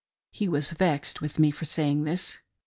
He was vexed with me for saying this.